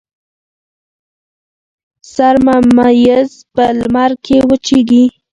سر ممیز په لمر کې وچیږي.